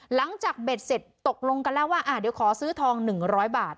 เบ็ดเสร็จตกลงกันแล้วว่าเดี๋ยวขอซื้อทอง๑๐๐บาท